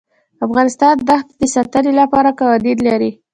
افغانستان د ښتې د ساتنې لپاره قوانین لري.